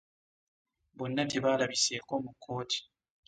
Bonna tebaalabiseeko mu kkooti.